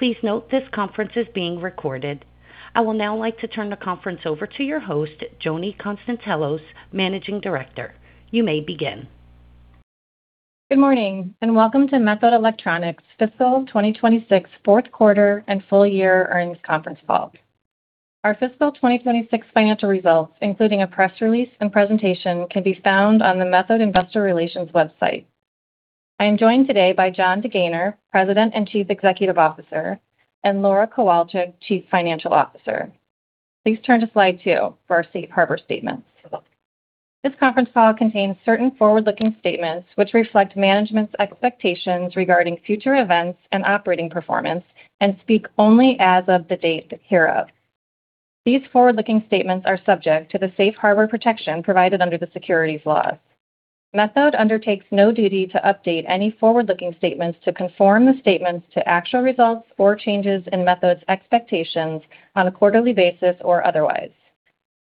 Please note this conference is being recorded. I will now like to turn the conference over to your host, Joni Konstantelos, managing director. You may begin. Good morning, welcome to Methode Electronics' Fiscal 2026 Q4 and full year earnings conference call. Our Fiscal 2026 financial results, including a press release and presentation, can be found on the Methode investor relations website. I am joined today by Jonathan DeGaynor, President and Chief Executive Officer, and Laura Kowalchik, Chief Financial Officer. Please turn to Slide two for our safe harbor statement. This conference call contains certain forward-looking statements which reflect management's expectations regarding future events and operating performance and speak only as of the date hereof. These forward-looking statements are subject to the safe harbor protection provided under the securities laws. Methode undertakes no duty to update any forward-looking statements to conform the statements to actual results or changes in Methode's expectations on a quarterly basis or otherwise.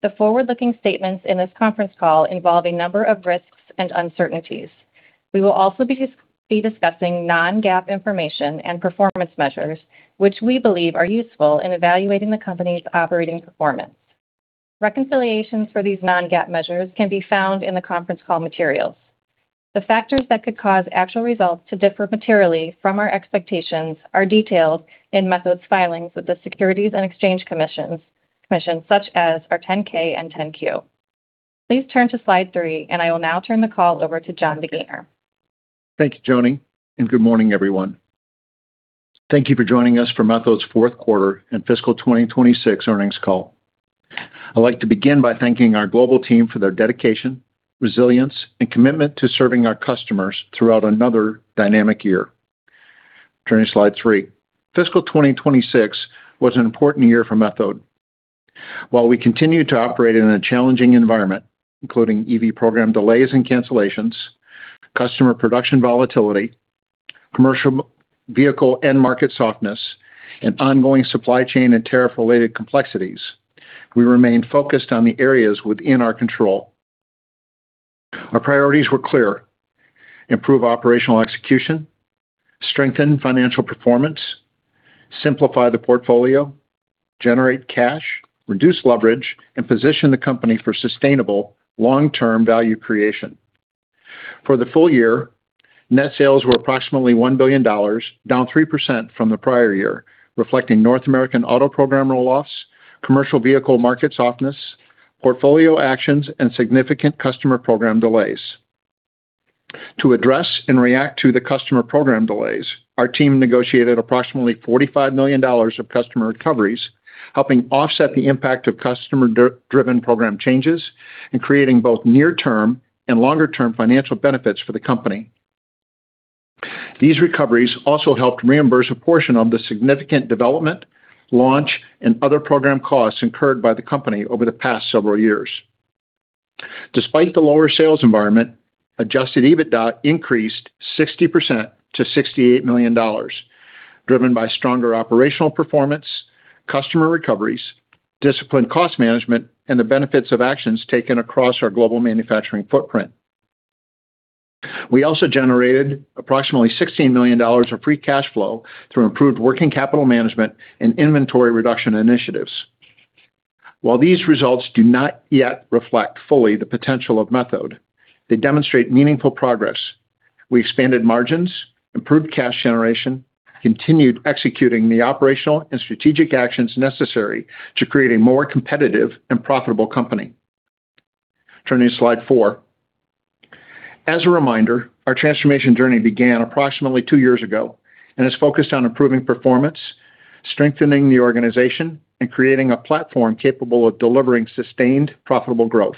The forward-looking statements in this conference call involve a number of risks and uncertainties. We will also be discussing non-GAAP information and performance measures, which we believe are useful in evaluating the company's operating performance. Reconciliations for these non-GAAP measures can be found in the conference call materials. The factors that could cause actual results to differ materially from our expectations are detailed in Methode's filings with the Securities and Exchange Commission, such as our 10-K and 10-Q. Please turn to Slide three, I will now turn the call over to Jonathan DeGaynor. Thank you, Joni. Good morning, everyone. Thank you for joining us for Methode's Q4 and Fiscal 2026 earnings call. I'd like to begin by thanking our global team for their dedication, resilience, and commitment to serving our customers throughout another dynamic year. Turning to Slide three. Fiscal 2026 was an important year for Methode. While we continued to operate in a challenging environment, including EV program delays and cancellations, customer production volatility, commercial vehicle end market softness, and ongoing supply chain and tariff-related complexities, we remained focused on the areas within our control. Our priorities were clear: improve operational execution, strengthen financial performance, simplify the portfolio, generate cash, reduce leverage, and position the company for sustainable long-term value creation. For the full year, net sales were approximately $1 billion, down three percent from the prior year, reflecting North American auto program roll-offs, commercial vehicle market softness, portfolio actions, and significant customer program delays. To address and react to the customer program delays, our team negotiated approximately $45 million of customer recoveries, helping offset the impact of customer-driven program changes and creating both near-term and longer-term financial benefits for the company. These recoveries also helped reimburse a portion of the significant development, launch, and other program costs incurred by the company over the past several years. Despite the lower sales environment, adjusted EBITDA increased 60% to $68 million, driven by stronger operational performance, customer recoveries, disciplined cost management, and the benefits of actions taken across our global manufacturing footprint. We also generated approximately $16 million of free cash flow through improved working capital management and inventory reduction initiatives. While these results do not yet reflect fully the potential of Methode, they demonstrate meaningful progress. We expanded margins, improved cash generation, continued executing the operational and strategic actions necessary to create a more competitive and profitable company. Turning to Slide four. As a reminder, our transformation journey began approximately two years ago and is focused on improving performance, strengthening the organization, and creating a platform capable of delivering sustained, profitable growth.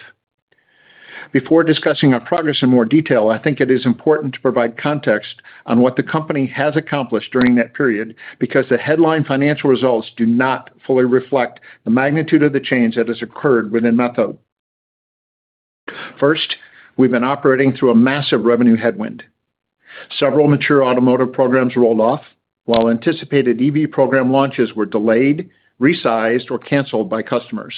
Before discussing our progress in more detail, I think it is important to provide context on what the company has accomplished during that period, because the headline financial results do not fully reflect the magnitude of the change that has occurred within Methode. First, we've been operating through a massive revenue headwind. Several mature automotive programs rolled off, while anticipated EV program launches were delayed, resized, or canceled by customers.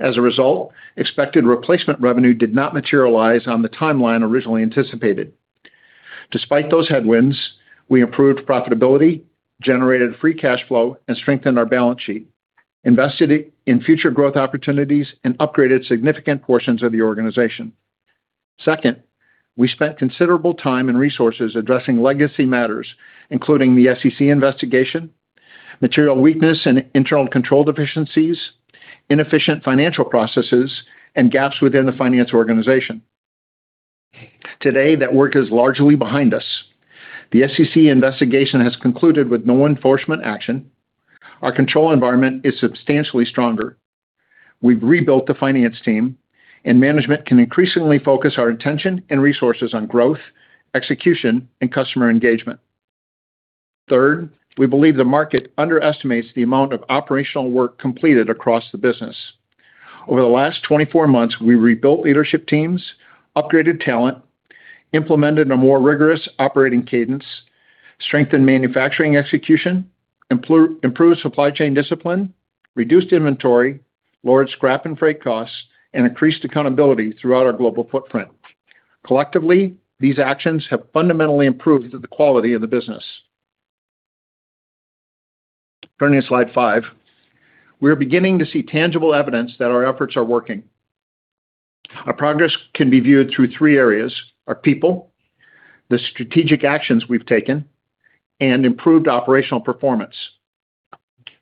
As a result, expected replacement revenue did not materialize on the timeline originally anticipated. Despite those headwinds, we improved profitability, generated free cash flow, and strengthened our balance sheet, invested in future growth opportunities, and upgraded significant portions of the organization. Second, we spent considerable time and resources addressing legacy matters, including the SEC investigation, material weakness and internal control deficiencies, inefficient financial processes, and gaps within the finance organization. Today, that work is largely behind us. The SEC investigation has concluded with no enforcement action. Our control environment is substantially stronger. We've rebuilt the finance team, and management can increasingly focus our attention and resources on growth, execution, and customer engagement. Third, we believe the market underestimates the amount of operational work completed across the business. Over the last 24 months, we rebuilt leadership teams, upgraded talent, implemented a more rigorous operating cadence, strengthened manufacturing execution, improved supply chain discipline, reduced inventory, lowered scrap and freight costs, and increased accountability throughout our global footprint. Collectively, these actions have fundamentally improved the quality of the business. Turning to slide five. We are beginning to see tangible evidence that our efforts are working. Our progress can be viewed through three areas, our people, the strategic actions we've taken, and improved operational performance.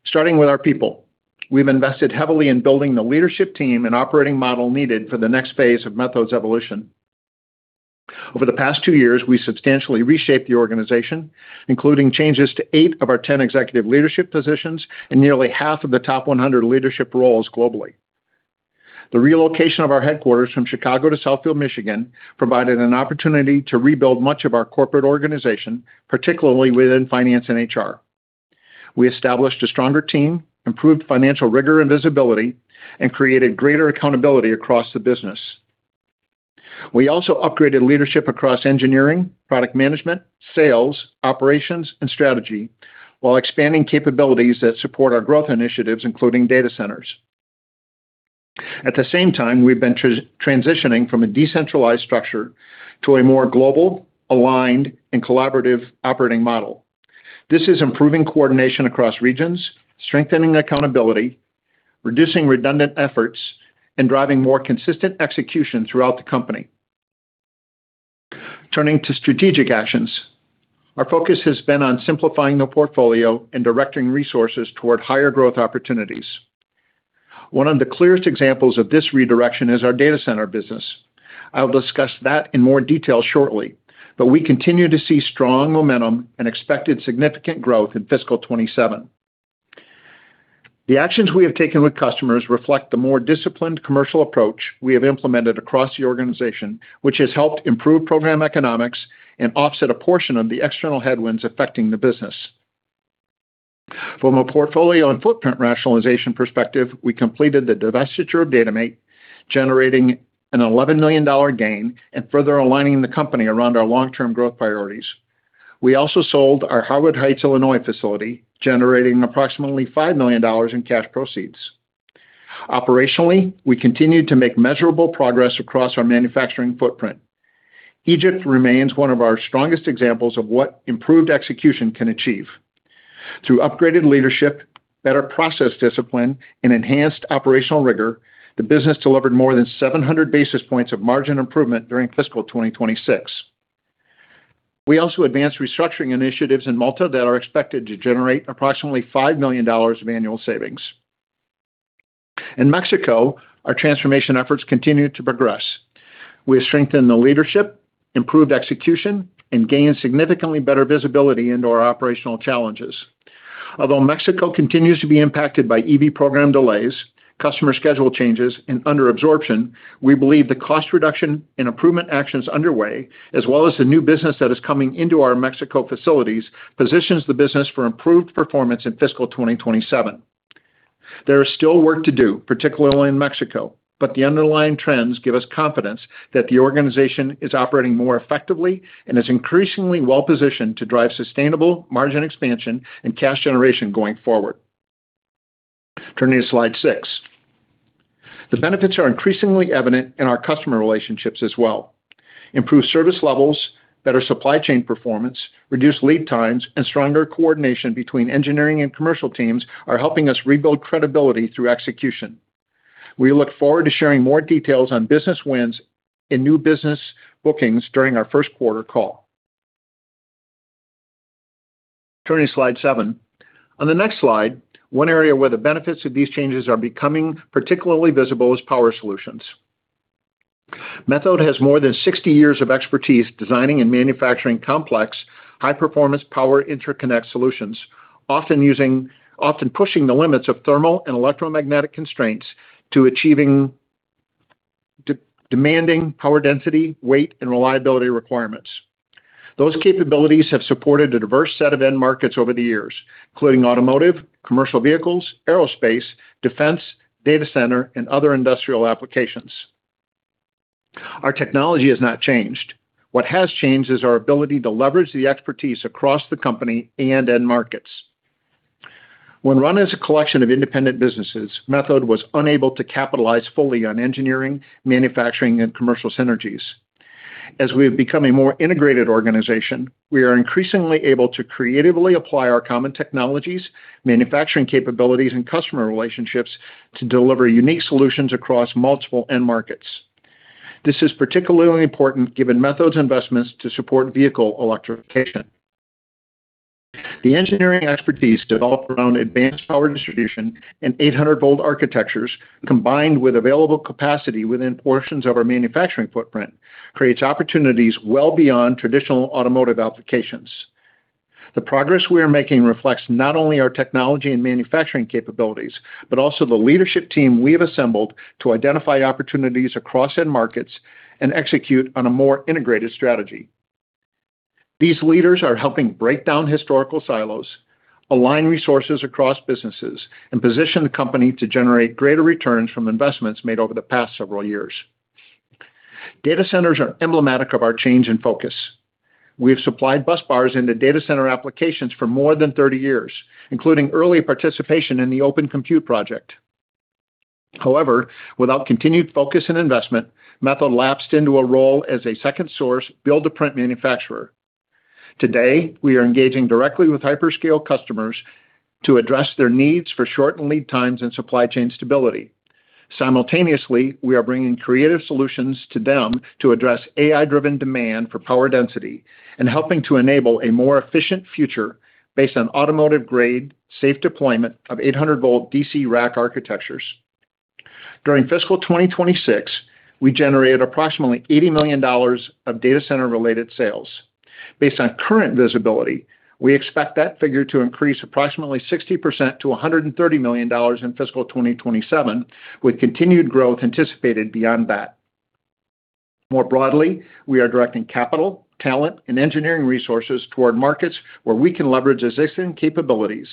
Starting with our people, we've invested heavily in building the leadership team and operating model needed for the next phase of Methode's evolution. Over the past two years, we substantially reshaped the organization, including changes to eight of our 10 executive leadership positions and nearly half of the top 100 leadership roles globally. The relocation of our headquarters from Chicago to Southfield, Michigan, provided an opportunity to rebuild much of our corporate organization, particularly within finance and HR. We established a stronger team, improved financial rigor and visibility, and created greater accountability across the business. We also upgraded leadership across engineering, product management, sales, operations, and strategy, while expanding capabilities that support our growth initiatives, including data centers. At the same time, we've been transitioning from a decentralized structure to a more global, aligned, and collaborative operating model. This is improving coordination across regions, strengthening accountability, reducing redundant efforts, and driving more consistent execution throughout the company. Turning to strategic actions. Our focus has been on simplifying the portfolio and directing resources toward higher growth opportunities. One of the clearest examples of this redirection is our data center business. I'll discuss that in more detail shortly, but we continue to see strong momentum and expected significant growth in fiscal 2027. The actions we have taken with customers reflect the more disciplined commercial approach we have implemented across the organization, which has helped improve program economics and offset a portion of the external headwinds affecting the business. From a portfolio and footprint rationalization perspective, we completed the divestiture of DataMate, generating an $11 million gain and further aligning the company around our long-term growth priorities. We also sold our Harwood Heights, Illinois, facility, generating approximately $5 million in cash proceeds. Operationally, we continue to make measurable progress across our manufacturing footprint. Egypt remains one of our strongest examples of what improved execution can achieve. Through upgraded leadership, better process discipline, and enhanced operational rigor, the business delivered more than 700 basis points of margin improvement during fiscal 2026. We also advanced restructuring initiatives in Malta that are expected to generate approximately $5 million of annual savings. In Mexico, our transformation efforts continue to progress. We have strengthened the leadership, improved execution, and gained significantly better visibility into our operational challenges. Although Mexico continues to be impacted by EV program delays, customer schedule changes, and under absorption, we believe the cost reduction and improvement actions underway, as well as the new business that is coming into our Mexico facilities, positions the business for improved performance in fiscal 2027. There is still work to do, particularly in Mexico, but the underlying trends give us confidence that the organization is operating more effectively and is increasingly well-positioned to drive sustainable margin expansion and cash generation going forward. Turning to slide six. The benefits are increasingly evident in our customer relationships as well. Improved service levels, better supply chain performance, reduced lead times, and stronger coordination between engineering and commercial teams are helping us rebuild credibility through execution. We look forward to sharing more details on business wins and new business bookings during our first quarter call. Turning to slide seven. On the next slide, one area where the benefits of these changes are becoming particularly visible is power solutions. Methode has more than 60 years of expertise designing and manufacturing complex, high-performance power interconnect solutions, often pushing the limits of thermal and electromagnetic constraints to achieving demanding power density, weight, and reliability requirements. Those capabilities have supported a diverse set of end markets over the years, including automotive, commercial vehicles, aerospace, defense, data center, and other industrial applications. Our technology has not changed. What has changed is our ability to leverage the expertise across the company and end markets. When run as a collection of independent businesses, Methode was unable to capitalize fully on engineering, manufacturing, and commercial synergies. As we have become a more integrated organization, we are increasingly able to creatively apply our common technologies, manufacturing capabilities, and customer relationships to deliver unique solutions across multiple end markets. This is particularly important given Methode's investments to support vehicle electrification. The engineering expertise developed around advanced power distribution and 800-volt architectures, combined with available capacity within portions of our manufacturing footprint, creates opportunities well beyond traditional automotive applications. The progress we are making reflects not only our technology and manufacturing capabilities, but also the leadership team we have assembled to identify opportunities across end markets and execute on a more integrated strategy. These leaders are helping break down historical silos, align resources across businesses, and position the company to generate greater returns from investments made over the past several years. Data centers are emblematic of our change in focus. We have supplied busbars into data center applications for more than 30 years, including early participation in the Open Compute Project. However, without continued focus and investment, Methode lapsed into a role as a second source build-to-print manufacturer. Today, we are engaging directly with hyperscale customers to address their needs for shortened lead times and supply chain stability. Simultaneously, we are bringing creative solutions to them to address AI-driven demand for power density and helping to enable a more efficient future based on automotive-grade, safe deployment of 800 volt DC rack architectures. During fiscal 2026, we generated approximately $80 million of data center related sales. Based on current visibility, we expect that figure to increase approximately 60% - $130 million in fiscal 2027, with continued growth anticipated beyond that. More broadly, we are directing capital, talent, and engineering resources toward markets where we can leverage existing capabilities,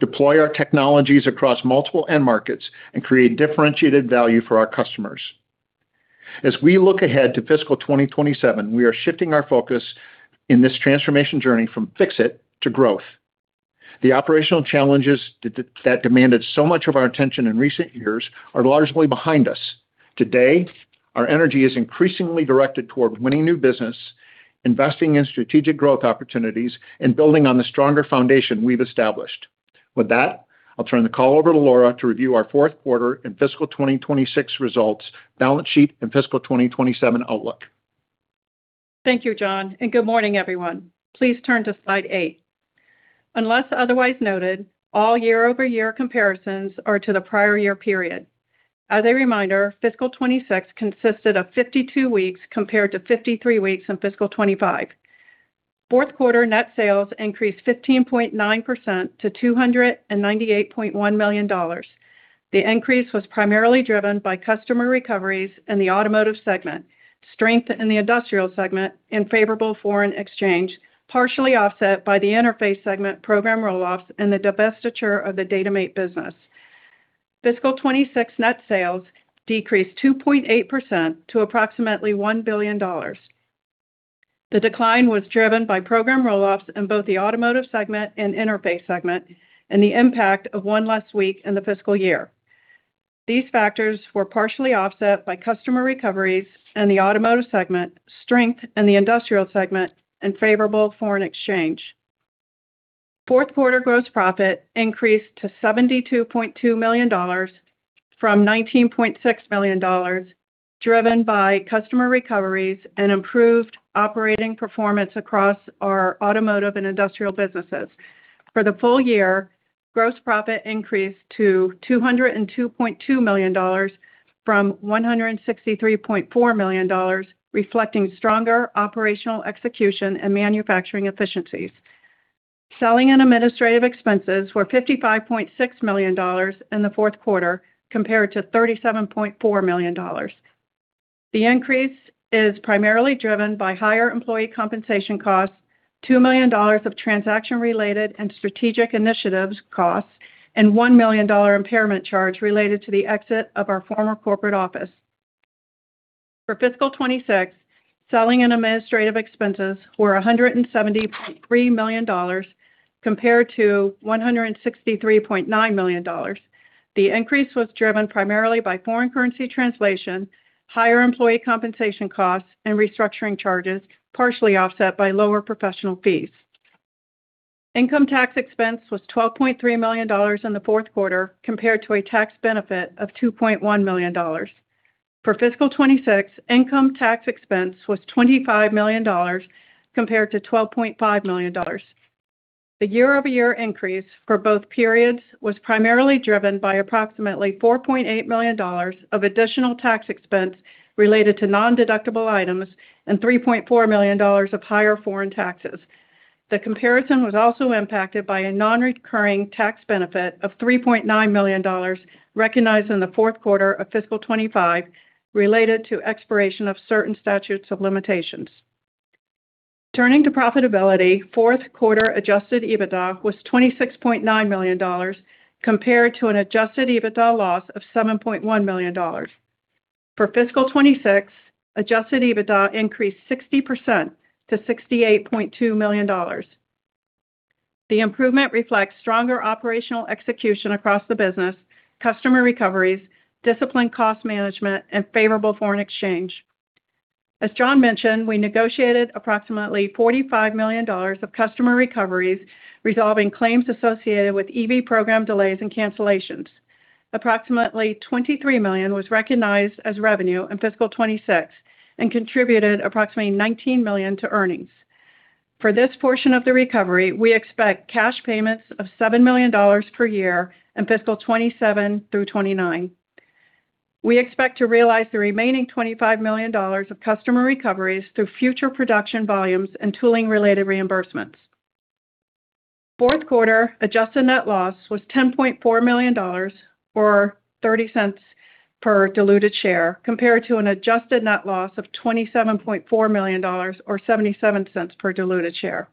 deploy our technologies across multiple end markets, and create differentiated value for our customers. As we look ahead to fiscal 2027, we are shifting our focus in this transformation journey from fix it to growth. The operational challenges that demanded so much of our attention in recent years are largely behind us. Today, our energy is increasingly directed toward winning new business, investing in strategic growth opportunities, and building on the stronger foundation we've established. With that, I'll turn the call over to Laura to review our Q4 and fiscal 2026 results, balance sheet, and fiscal 2027 outlook. Thank you, John, good morning, everyone. Please turn to slide eight. Unless otherwise noted, all year-over-year comparisons are to the prior year period. As a reminder, fiscal 2026 consisted of 52 weeks compared to 53 weeks in fiscal 2025. Q4 net sales increased 15.9% - $298.1 million. The increase was primarily driven by customer recoveries in the automotive segment, strength in the industrial segment, and favorable foreign exchange, partially offset by the interface segment program roll-offs, and the divestiture of the DataMate business. Fiscal 2026 net sales decreased 2.8% to approximately $1 billion. The decline was driven by program roll-offs in both the automotive segment and interface segment, and the impact of one last week in the fiscal year. These factors were partially offset by customer recoveries in the automotive segment, strength in the industrial segment, and favorable foreign exchange. Q4 gross profit increased to $72.2 million from $19.6 million, driven by customer recoveries and improved operating performance across our automotive and industrial businesses. For the full year, gross profit increased to $202.2 million from $163.4 million, reflecting stronger operational execution and manufacturing efficiencies. Selling and administrative expenses were $55.6 million in the Q4 compared to $37.4 million. The increase is primarily driven by higher employee compensation costs, $2 million of transaction-related and strategic initiatives costs, and $1 million impairment charge related to the exit of our former corporate office. For fiscal 2026, selling and administrative expenses were $170.3 million compared to $163.9 million. The increase was driven primarily by foreign currency translation, higher employee compensation costs, and restructuring charges, partially offset by lower professional fees. Income tax expense was $12.3 million in the Q4 compared to a tax benefit of $2.1 million. For fiscal 2026, income tax expense was $25 million compared to $12.5 million. The year-over-year increase for both periods was primarily driven by approximately $4.8 million of additional tax expense related to non-deductible items, and $3.4 million of higher foreign taxes. The comparison was also impacted by a non-recurring tax benefit of $3.9 million recognized in the Q4 of fiscal 2025 related to expiration of certain statutes of limitations. Turning to profitability, fourth quarter adjusted EBITDA was $26.9 million compared to an adjusted EBITDA loss of $7.1 million. For fiscal 2026, adjusted EBITDA increased 60% to $68.2 million. The improvement reflects stronger operational execution across the business, customer recoveries, disciplined cost management, and favorable foreign exchange. As John mentioned, we negotiated approximately $45 million of customer recoveries, resolving claims associated with EV program delays and cancellations. Approximately $23 million was recognized as revenue in fiscal 2026 and contributed approximately $19 million to earnings. For this portion of the recovery, we expect cash payments of $7 million per year in fiscal 2027 through 2029. We expect to realize the remaining $25 million of customer recoveries through future production volumes and tooling-related reimbursements. Q4 adjusted net loss was $10.4 million, or $0.30 per diluted share, compared to an adjusted net loss of $27.4 million, or $0.77 per diluted share.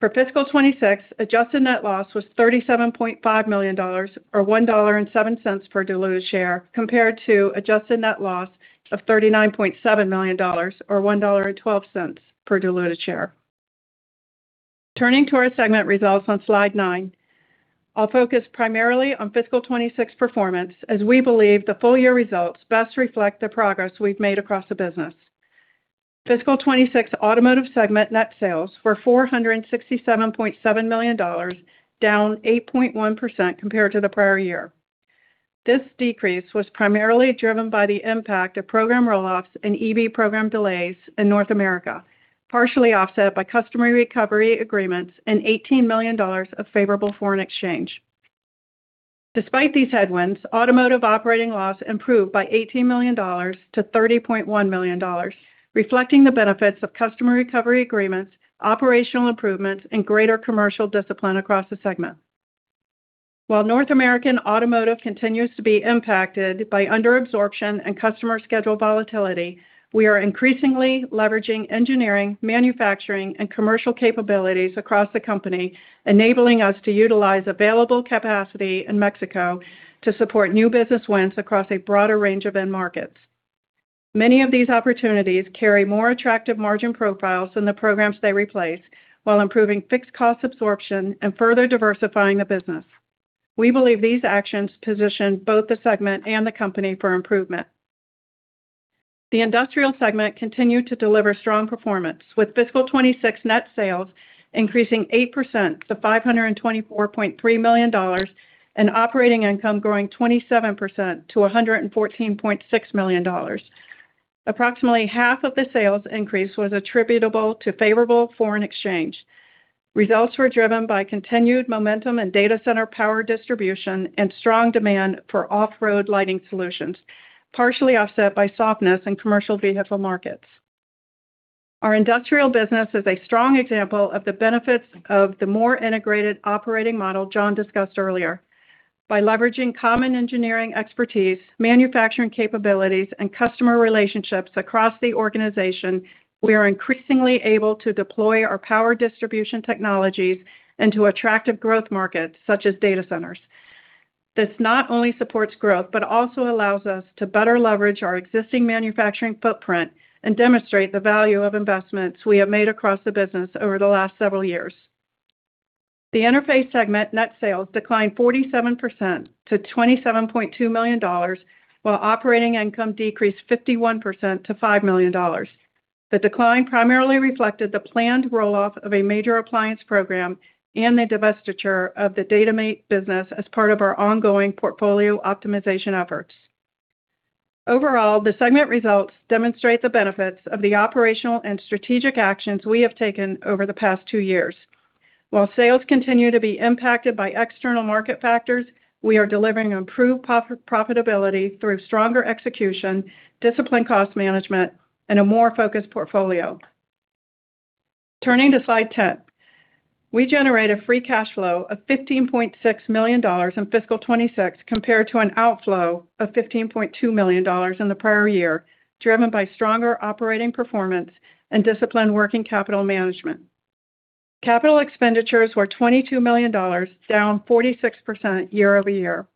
For fiscal 2026, adjusted net loss was $37.5 million, or $1.07 per diluted share, compared to adjusted net loss of $39.7 million, or $1.12 per diluted share. Turning to our segment results on slide nine. I'll focus primarily on fiscal 2026 performance, as we believe the full-year results best reflect the progress we've made across the business. Fiscal 2026 Automotive segment net sales were $467.7 million, down 8.1% compared to the prior year. This decrease was primarily driven by the impact of program roll-offs and EV program delays in North America, partially offset by customer recovery agreements and $18 million of favorable foreign exchange. Despite these headwinds, Automotive operating loss improved by $18 million to $30.1 million, reflecting the benefits of customer recovery agreements, operational improvements, and greater commercial discipline across the segment. While North American Automotive continues to be impacted by under-absorption and customer schedule volatility, we are increasingly leveraging engineering, manufacturing, and commercial capabilities across the company, enabling us to utilize available capacity in Mexico to support new business wins across a broader range of end markets. Many of these opportunities carry more attractive margin profiles than the programs they replace while improving fixed cost absorption and further diversifying the business. We believe these actions position both the segment and the company for improvement. The Industrial segment continued to deliver strong performance, with fiscal 2026 net sales increasing eight percent to $524.3 million and operating income growing 27% to $114.6 million. Approximately half of the sales increase was attributable to favorable foreign exchange. Results were driven by continued momentum in data center power distribution and strong demand for off-road lighting solutions, partially offset by softness in commercial vehicle markets. Our Industrial business is a strong example of the benefits of the more integrated operating model John discussed earlier. By leveraging common engineering expertise, manufacturing capabilities, and customer relationships across the organization, we are increasingly able to deploy our power distribution technologies into attractive growth markets, such as data centers. This not only supports growth, but also allows us to better leverage our existing manufacturing footprint and demonstrate the value of investments we have made across the business over the last several years. The Interface segment net sales declined 47% to $27.2 million, while operating income decreased 51% to $5 million. The decline primarily reflected the planned roll-off of a major appliance program and the divestiture of the DataMate business as part of our ongoing portfolio optimization efforts. Overall, the segment results demonstrate the benefits of the operational and strategic actions we have taken over the past two years. While sales continue to be impacted by external market factors, we are delivering improved profitability through stronger execution, disciplined cost management, and a more focused portfolio. Turning to slide 10. We generated free cash flow of $15.6 million in fiscal 2026, compared to an outflow of $15.2 million in the prior year, driven by stronger operating performance and disciplined working capital management. Capital expenditures were $22 million, down 46% year-over-year.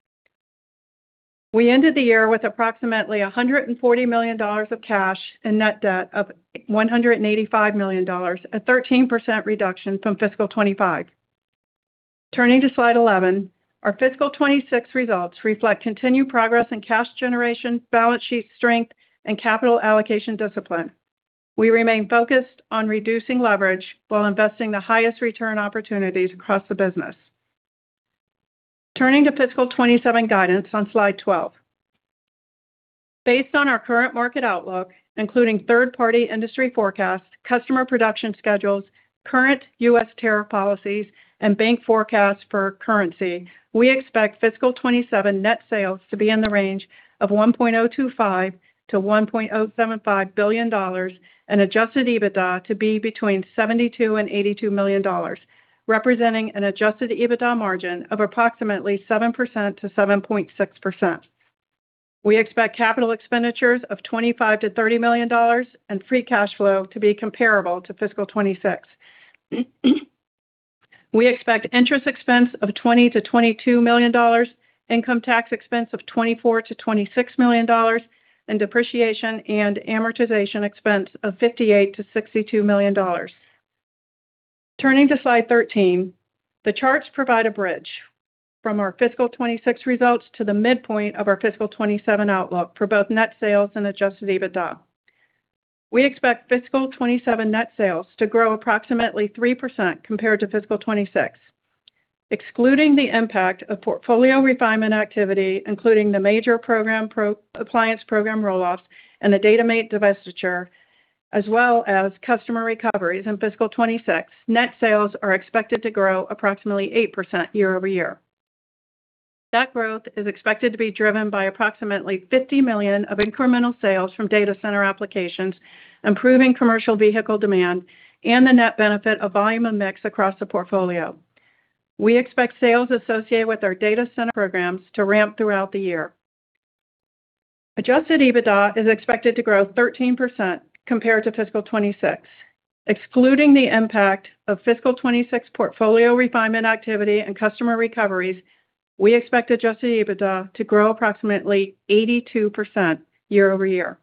We ended the year with approximately $140 million of cash and net debt of $185 million, a 13% reduction from fiscal 2025. Turning to slide 11. Our fiscal 2026 results reflect continued progress in cash generation, balance sheet strength, and capital allocation discipline. We remain focused on reducing leverage while investing the highest return opportunities across the business. Turning to fiscal 2027 guidance on slide 12. Based on our current market outlook, including third-party industry forecasts, customer production schedules, current U.S. tariff policies, and bank forecasts for currency, we expect fiscal 2027 net sales to be in the range of $1.025 billion-$1.075 billion and adjusted EBITDA to be between $72 million and $82 million, representing an adjusted EBITDA margin of approximately 7%-7.6%. We expect capital expenditures of $25 million-$30 million and free cash flow to be comparable to fiscal 2026. We expect interest expense of $20 million-$22 million, income tax expense of $24 million-$26 million, and depreciation and amortization expense of $58 million-$62 million. Turning to slide 13. The charts provide a bridge from our fiscal 2026 results to the midpoint of our fiscal 2027 outlook for both net sales and adjusted EBITDA. We expect fiscal 2027 net sales to grow approximately three percent compared to fiscal 2026. Excluding the impact of portfolio refinement activity, including the major appliance program roll-offs, and the DataMate divestiture, as well as customer recoveries in fiscal 2026, net sales are expected to grow approximately eight percent year-over-year. That growth is expected to be driven by approximately $50 million of incremental sales from data center applications, improving commercial vehicle demand, and the net benefit of volume and mix across the portfolio. We expect sales associated with our data center programs to ramp throughout the year. Adjusted EBITDA is expected to grow 13% compared to fiscal 2026. Excluding the impact of fiscal 2026 portfolio refinement activity and customer recoveries, we expect Adjusted EBITDA to grow approximately 82% year-over-year.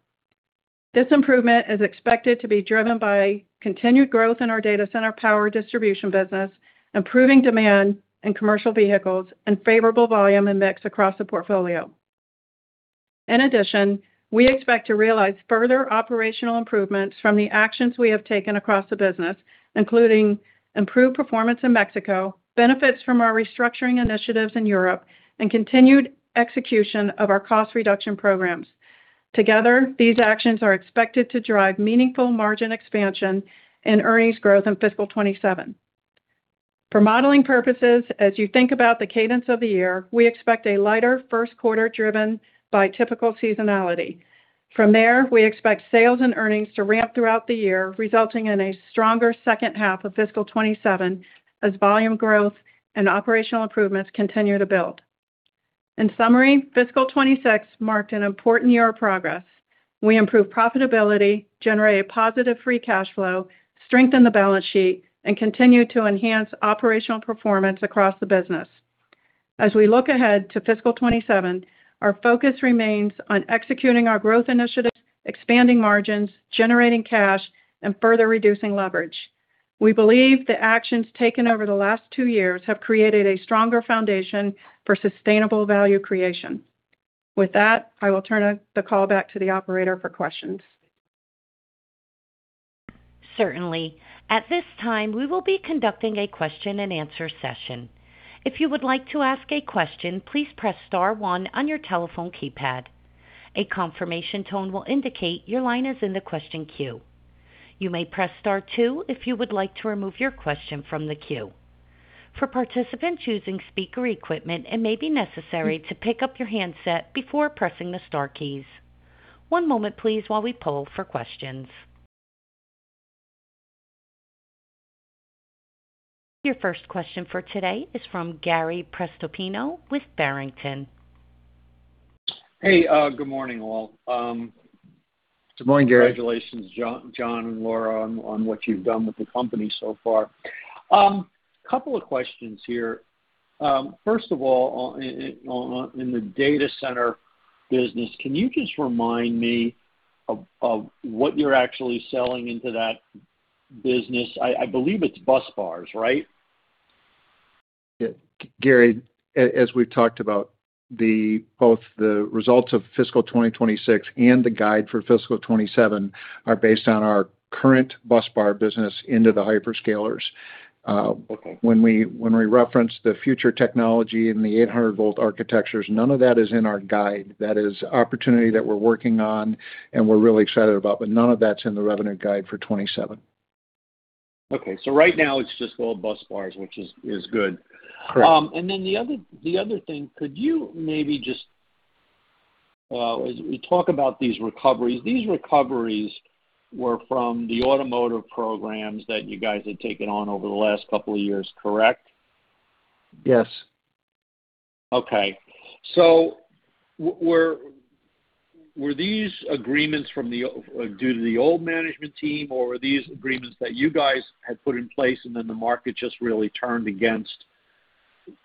This improvement is expected to be driven by continued growth in our data center power distribution business, improving demand in commercial vehicles, and favorable volume and mix across the portfolio. We expect to realize further operational improvements from the actions we have taken across the business, including improved performance in Mexico, benefits from our restructuring initiatives in Europe, and continued execution of our cost reduction programs. Together, these actions are expected to drive meaningful margin expansion and earnings growth in fiscal 2027. For modeling purposes, as you think about the cadence of the year, we expect a lighter Q1 driven by typical seasonality. From there, we expect sales and earnings to ramp throughout the year, resulting in a stronger second half of fiscal 2027 as volume growth and operational improvements continue to build. In summary, fiscal 2026 marked an important year of progress. We improved profitability, generated a positive free cash flow, strengthened the balance sheet, and continued to enhance operational performance across the business. As we look ahead to fiscal 2027, our focus remains on executing our growth initiatives, expanding margins, generating cash, and further reducing leverage. We believe the actions taken over the last two years have created a stronger foundation for sustainable value creation. With that, I will turn the call back to the operator for questions. Certainly. At this time, we will be conducting a question-and-answer session. If you would like to ask a question, please press star one on your telephone keypad. A confirmation tone will indicate your line is in the question queue. You may press star two if you would like to remove your question from the queue. For participants using speaker equipment, it may be necessary to pick up your handset before pressing the star keys. One moment please while we poll for questions. Your first question for today is from Gary Prestopino with Barrington. Hey, good morning, all. Good morning, Gary. Congratulations, John and Laura, on what you've done with the company so far. Couple of questions here. First of all, in the data center business, can you just remind me of what you're actually selling into that business? I believe it's busbars, right? Yeah. Gary, as we've talked about both the results of fiscal 2026 and the guide for fiscal 2027 are based on our current busbar business into the hyperscalers. Okay. When we reference the future technology and the 800-volt architectures, none of that is in our guide. That is opportunity that we're working on and we're really excited about, but none of that's in the revenue guide for 2027. Okay. Right now it's just all busbars, which is good. Correct. The other thing, could you maybe just, as we talk about these recoveries, these recoveries were from the automotive programs that you guys had taken on over the last couple of years, correct? Yes. Okay. Were these agreements due to the old management team, or were these agreements that you guys had put in place and then the market just really turned against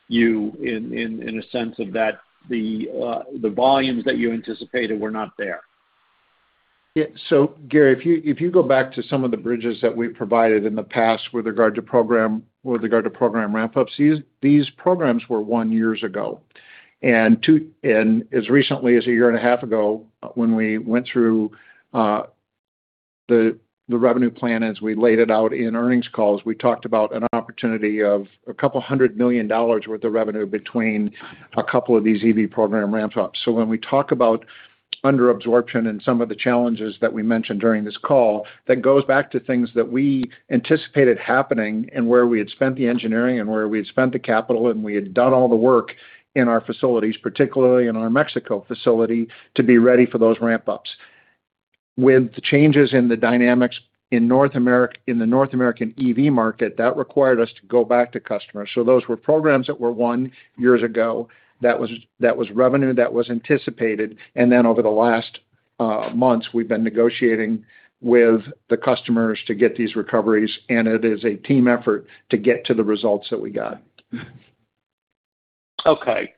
you in a sense of that the volumes that you anticipated were not there? Yeah. Gary, if you go back to some of the bridges that we provided in the past with regard to program ramp-ups, these programs were won years ago. As recently as a year and a half ago, when we went through the revenue plan as we laid it out in earnings calls, we talked about an opportunity of a couple hundred million dollars worth of revenue between a couple of these EV program ramp-ups. When we talk about under absorption and some of the challenges that we mentioned during this call, that goes back to things that we anticipated happening and where we had spent the engineering and where we had spent the capital, and we had done all the work in our facilities, particularly in our Mexico facility, to be ready for those ramp-ups. With the changes in the dynamics in the North American EV market, that required us to go back to customers. Those were programs that were won years ago, that was revenue that was anticipated. Over the last months, we've been negotiating with the customers to get these recoveries, and it is a team effort to get to the results that we got. Okay.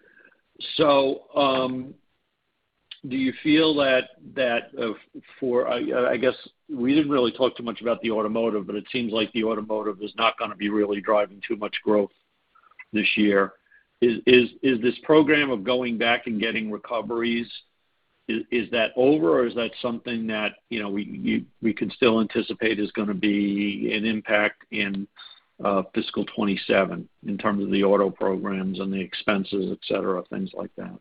Do you feel that for I guess we didn't really talk too much about the automotive, but it seems like the automotive is not going to be really driving too much growth this year. Is this program of going back and getting recoveries, is that over, or is that something that we could still anticipate is going to be an impact in fiscal 2027 in terms of the auto programs and the expenses, et cetera, things like that?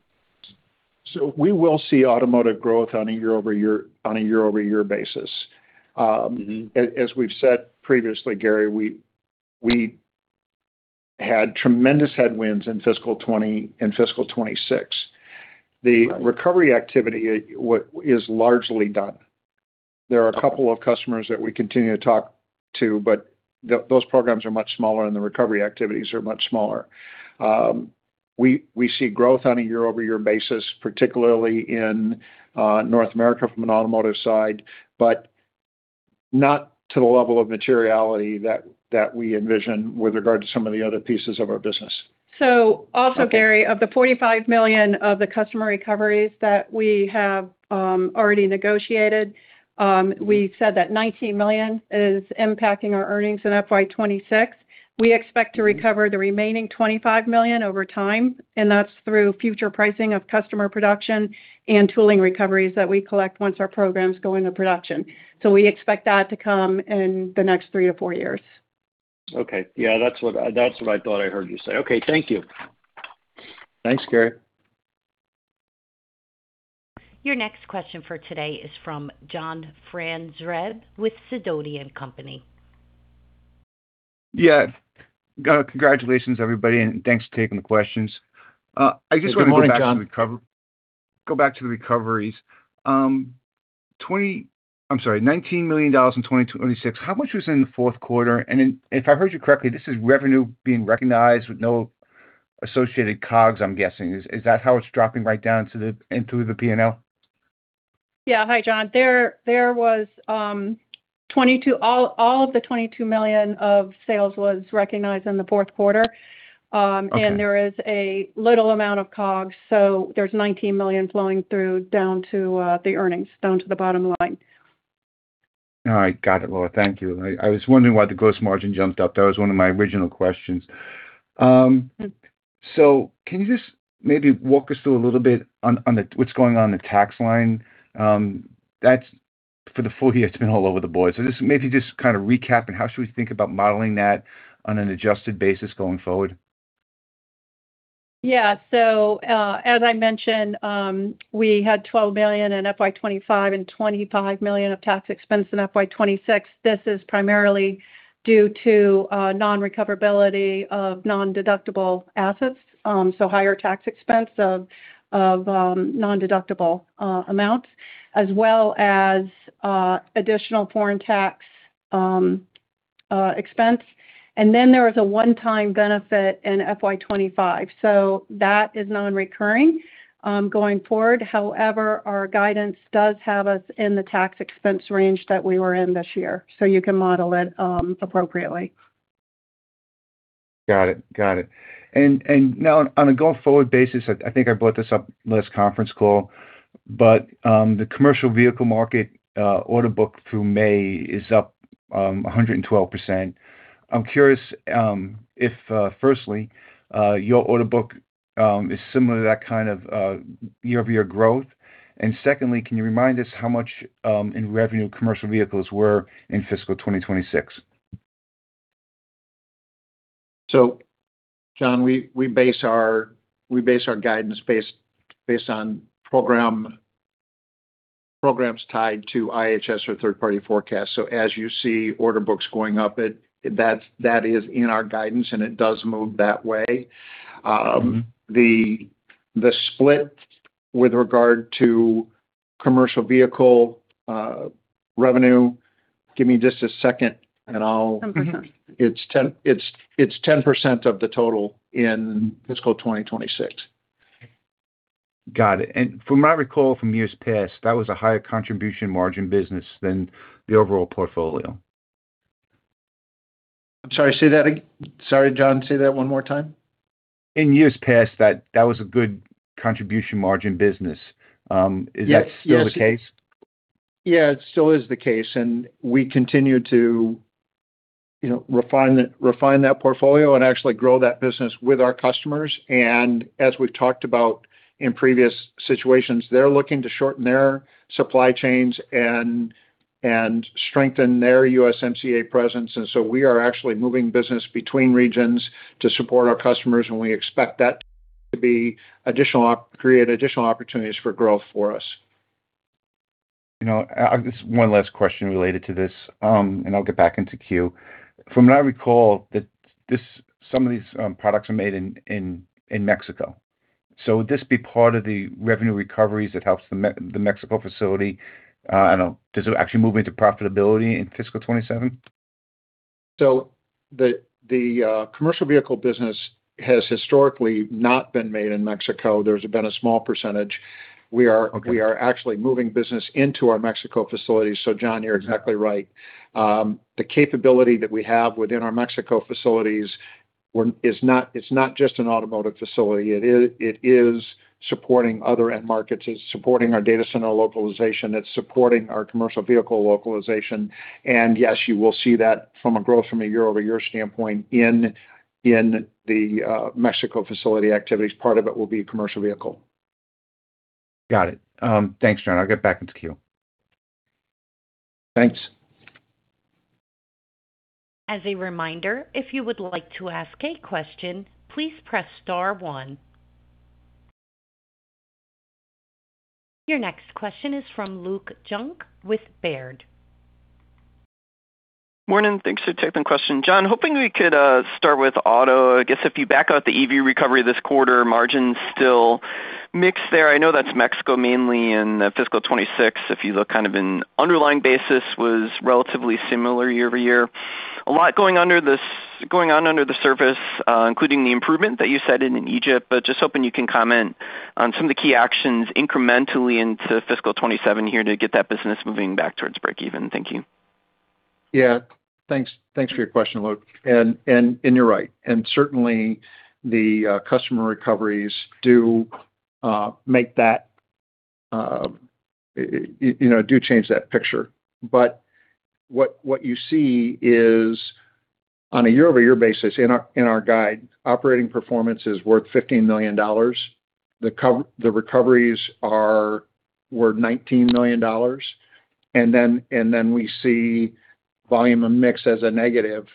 We will see automotive growth on a year-over-year basis. As we've said previously, Gary, we had tremendous headwinds in fiscal 2026. Right. The recovery activity is largely done. There are a couple of customers that we continue to talk to, but those programs are much smaller, and the recovery activities are much smaller. We see growth on a year-over-year basis, particularly in North America from an automotive side. Not to the level of materiality that we envision with regard to some of the other pieces of our business. Also, Gary, of the $45 million of the customer recoveries that we have already negotiated, we said that $19 million is impacting our earnings in FY 2026. We expect to recover the remaining $25 million over time, and that's through future pricing of customer production and tooling recoveries that we collect once our programs go into production. We expect that to come in the next three - four years. Okay. Yeah, that's what I thought I heard you say. Okay, thank you. Thanks, Gary. Your next question for today is from John Franzreb with Sidoti & Company. Yeah. Congratulations, everybody. Thanks for taking the questions. Good morning, John. go back to the recoveries. $19 million in 2026. How much was in the Q4? If I heard you correctly, this is revenue being recognized with no associated COGS, I'm guessing. Is that how it's dropping right down into the P&L? Yeah. Hi, John. All of the $22 million of sales was recognized in the Q4. Okay. There is a little amount of COGS, so there's $19 million flowing through down to the earnings, down to the bottom line. All right. Got it, Laura. Thank you. I was wondering why the gross margin jumped up. That was one of my original questions. Can you just maybe walk us through a little bit on what's going on in the tax line? For the full year, it's been all over the board. Just maybe kind of recap and how should we think about modeling that on an adjusted basis going forward? As I mentioned, we had $12 million in FY 2025 and $25 million of tax expense in FY 2026. This is primarily due to non-recoverability of non-deductible assets. Higher tax expense of non-deductible amounts, as well as additional foreign tax expense. There was a one-time benefit in FY 2025. That is non-recurring going forward. However, our guidance does have us in the tax expense range that we were in this year, so you can model it appropriately. Got it. Now on a going-forward basis, I think I brought this up last conference call, the commercial vehicle market order book through May is up 112%. I'm curious if, firstly, your order book is similar to that kind of year-over-year growth. Secondly, can you remind us how much in revenue commercial vehicles were in fiscal 2026? John, we base our guidance based on programs tied to IHS or third-party forecasts. As you see order books going up, that is in our guidance, and it does move that way. The split with regard to commercial vehicle revenue, give me just a second. One second. It's 10% of the total in fiscal 2026. Got it. From what I recall from years past, that was a higher contribution margin business than the overall portfolio. I'm sorry, John, say that one more time. In years past, that was a good contribution margin business. Is that still the case? Yeah, it still is the case, we continue to refine that portfolio and actually grow that business with our customers. As we've talked about in previous situations, they're looking to shorten their supply chains and strengthen their USMCA presence. So we are actually moving business between regions to support our customers, and we expect that to create additional opportunities for growth for us. Just one last question related to this, I'll get back into queue. From what I recall, some of these products are made in Mexico. Would this be part of the revenue recoveries that helps the Mexico facility? I don't know. Does it actually move into profitability in fiscal 2027? The commercial vehicle business has historically not been made in Mexico. There has been a small percentage. Okay. We are actually moving business into our Mexico facilities. John, you are exactly right. The capability that we have within our Mexico facilities, it is not just an automotive facility. It is supporting other end markets. It is supporting our data center localization. It is supporting our commercial vehicle localization. Yes, you will see that from a growth from a year-over-year standpoint in the Mexico facility activities. Part of it will be commercial vehicle. Got it. Thanks, John. I will get back into queue. Thanks. As a reminder, if you would like to ask a question, please press star one. Your next question is from Luke Junk with Baird. Morning. Thanks for taking the question. John, hoping we could start with auto. I guess if you back out the EV recovery this quarter, margin's still mixed there. I know that's Mexico mainly in fiscal 2026. If you look kind of in underlying basis was relatively similar year-over-year. A lot going on under the surface, including the improvement that you said in Egypt, but just hoping you can comment on some of the key actions incrementally into fiscal 2027 here to get that business moving back towards breakeven. Thank you. Thanks for your question, Luke, and you're right. Certainly, the customer recoveries do change that picture. What you see is on a year-over-year basis in our guide, operating performance is worth $15 million. The recoveries were $19 million. Then we see volume and mix as a negative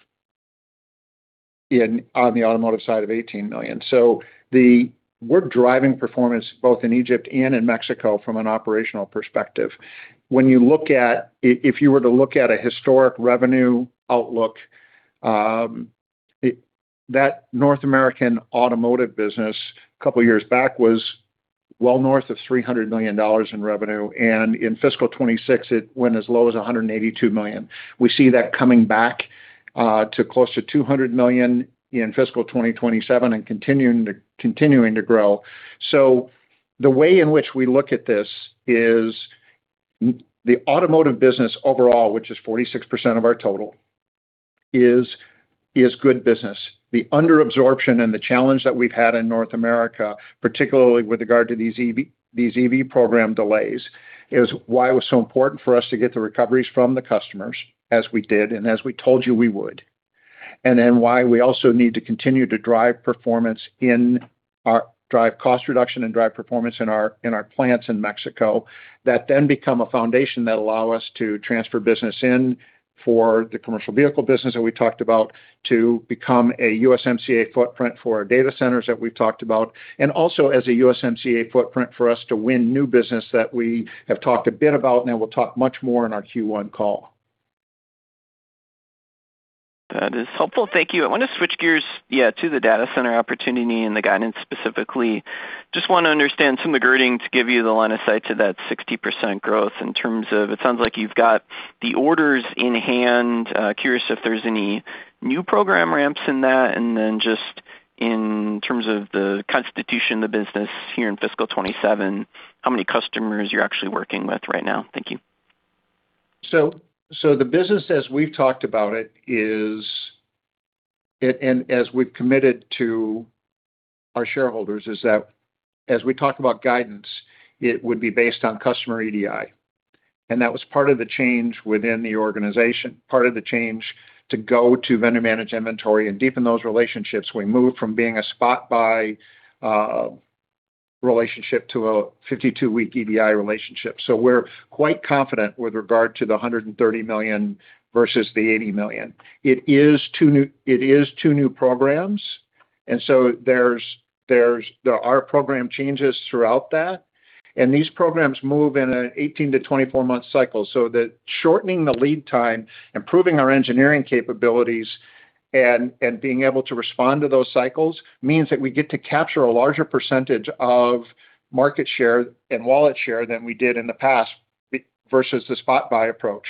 on the automotive side of $18 million. We're driving performance both in Egypt and in Mexico from an operational perspective. If you were to look at a historic revenue outlook, that North American automotive business a couple of years back was well north of $300 million in revenue, and in fiscal 2026, it went as low as $182 million. We see that coming back to close to $200 million in fiscal 2027 and continuing to grow. The way in which we look at this is the automotive business overall, which is 46% of our total, is good business. The under-absorption and the challenge that we've had in North America, particularly with regard to these EV program delays, is why it was so important for us to get the recoveries from the customers as we did and as we told you we would, then why we also need to continue to drive cost reduction and drive performance in our plants in Mexico. That then become a foundation that allow us to transfer business in for the commercial vehicle business that we talked about to become a USMCA footprint for our data centers that we've talked about, also as a USMCA footprint for us to win new business that we have talked a bit about, then we'll talk much more in our Q1 call. That is helpful. Thank you. I want to switch gears to the data center opportunity and the guidance specifically. Just want to understand some of the gating to give you the line of sight to that 60% growth in terms of, it sounds like you've got the orders in hand. Curious if there's any new program ramps in that, just in terms of the constitution of the business here in fiscal 2027, how many customers you're actually working with right now? Thank you. The business, as we've talked about it and as we've committed to our shareholders, is that as we talk about guidance, it would be based on customer EDI. That was part of the change within the organization, part of the change to go to vendor-managed inventory and deepen those relationships. We moved from being a spot buy relationship to a 52-week EDI relationship. We're quite confident with regard to the $130 million versus the $80 million. It is two new programs, there are program changes throughout that. These programs move in an 18 - 24-month cycle, that shortening the lead time, improving our engineering capabilities, and being able to respond to those cycles means that we get to capture a larger percentage of market share and wallet share than we did in the past versus the spot buy approach.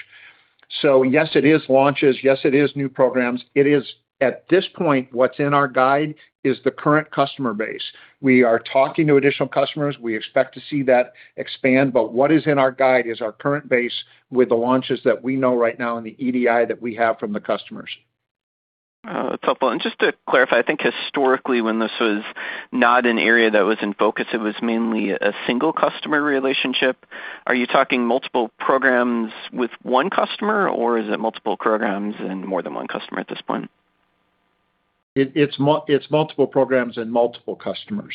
Yes, it is launches. Yes, it is new programs. At this point, what's in our guide is the current customer base. We are talking to additional customers. We expect to see that expand. What is in our guide is our current base with the launches that we know right now and the EDI that we have from the customers. That's helpful. Just to clarify, I think historically, when this was not an area that was in focus, it was mainly a single customer relationship. Are you talking multiple programs with one customer, or is it multiple programs and more than one customer at this point? It's multiple programs and multiple customers.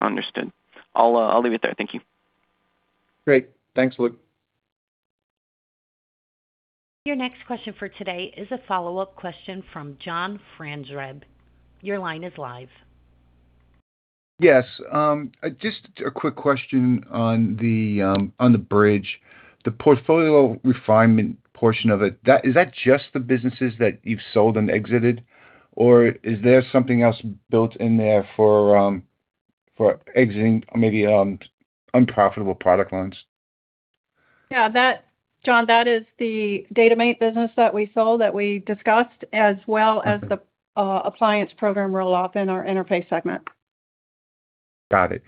Understood. I'll leave it there. Thank you. Great. Thanks, Luke. Your next question for today is a follow-up question from John Franzreb. Your line is live. Yes. Just a quick question on the bridge. The portfolio refinement portion of it, is that just the businesses that you've sold and exited, or is there something else built in there for exiting maybe unprofitable product lines? John, that is the DataMate business that we sold that we discussed, as well as the appliance program roll-off in our interface segment. Got it.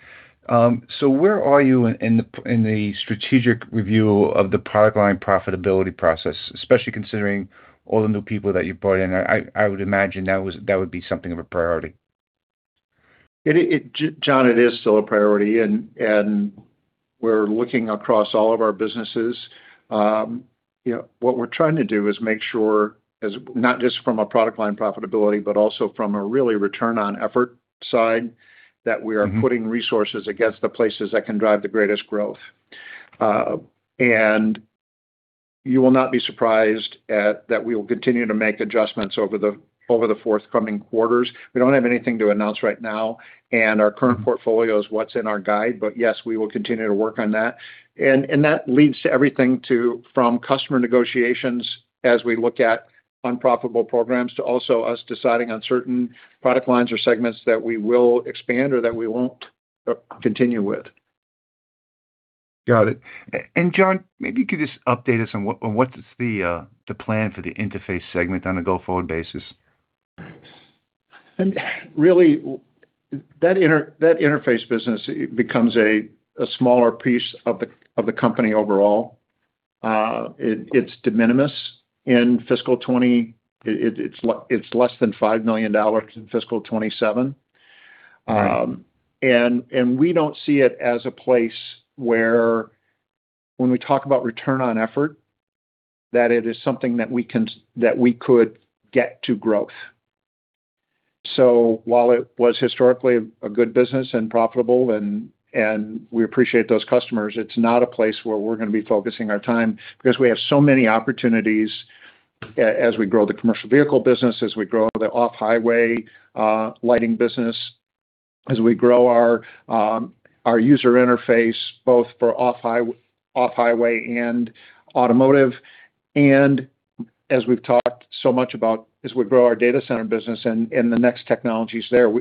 Where are you in the strategic review of the product line profitability process, especially considering all the new people that you brought in? I would imagine that would be something of a priority. John, it is still a priority, and we're looking across all of our businesses. What we're trying to do is make sure, not just from a product line profitability, but also from a really return on effort side, that we are putting resources against the places that can drive the greatest growth. You will not be surprised that we will continue to make adjustments over the forthcoming quarters. We don't have anything to announce right now, and our current portfolio is what's in our guide, but yes, we will continue to work on that. That leads to everything from customer negotiations as we look at unprofitable programs to also us deciding on certain product lines or segments that we will expand or that we won't continue with. Got it. John, maybe you could just update us on what is the plan for the interface segment on a go-forward basis? That interface business becomes a smaller piece of the company overall. It's de minimis in fiscal 2020. It's less than $5 million in fiscal 2027. Right. We don't see it as a place where, when we talk about return on effort, that it is something that we could get to growth. While it was historically a good business and profitable, and we appreciate those customers, it's not a place where we're going to be focusing our time because we have so many opportunities as we grow the commercial vehicle business, as we grow the off-highway lighting business, as we grow our user interface both for off-highway and automotive. As we've talked so much about as we grow our data center business and the next technologies there,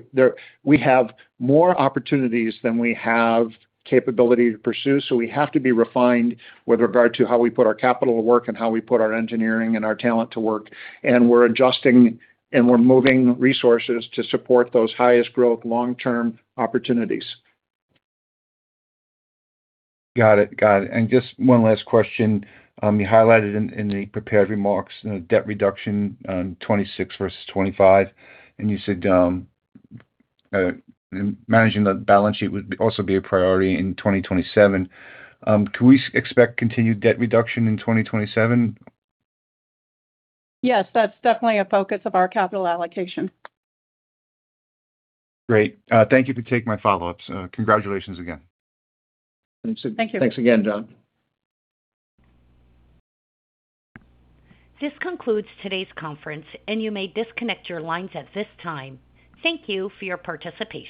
we have more opportunities than we have capability to pursue. We have to be refined with regard to how we put our capital to work and how we put our engineering and our talent to work. We're adjusting and we're moving resources to support those highest growth long-term opportunities. Got it. Just one last question. You highlighted in the prepared remarks, debt reduction in 2026 versus 2025, and you said managing the balance sheet would also be a priority in 2027. Can we expect continued debt reduction in 2027? Yes, that's definitely a focus of our capital allocation. Great. Thank you for taking my follow-ups. Congratulations again. Thanks again, John. This concludes today's conference, and you may disconnect your lines at this time. Thank you for your participation.